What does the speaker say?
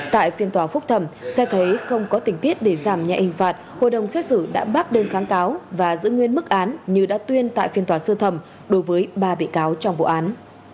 tại phiên tòa phúc thẩm xét thấy không có tình tiết để giảm nhạy hình phạt hội đồng xét xử đã bác đơn kháng cáo và giữ nguyên mức án như đã tuyên tại phiên tòa sơ thẩm đối với ba bị cáo trong vụ án